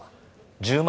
１０万